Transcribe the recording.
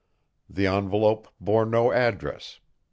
The envelope bore no address.